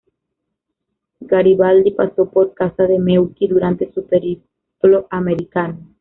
Garibaldi pasó por casa de Meucci durante su periplo americano.